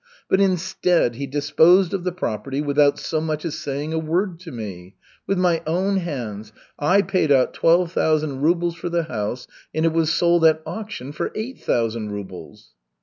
But instead, he disposed of the property without so much as saying a word to me. With my own hands, I paid out twelve thousand rubles for the house, and it was sold at auction for eight thousand rubles!"